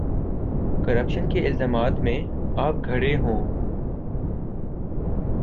Corruption کے الزامات میں آپ گھرے ہوں۔